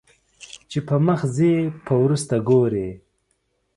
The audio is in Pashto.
چې پۀ مخ ځې په وروستو ګورې